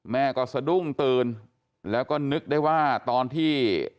แม่ก็สะดุ้งตื่นแล้วก็นึกได้ว่าตอนที่